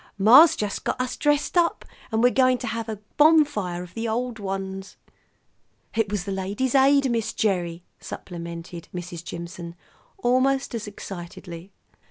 "Ma's just got us dressed up, and we're going to have a bonfire of the old ones." "It was the Ladies' Aid, Miss Gerry," supplemented Mrs. Jimson almost as excitedly.